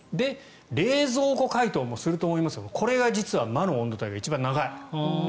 冷蔵庫解凍もすると思いますがこれが実は魔の温度帯が一番長い。